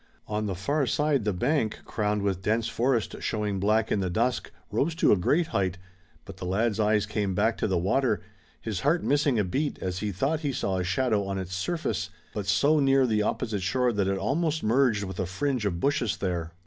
On the far side the bank, crowned with dense forest showing black in the dusk, rose to a great height, but the lad's eyes came back to the water, his heart missing a beat as he thought he saw a shadow on its surface, but so near the opposite shore that it almost merged with a fringe of bushes there.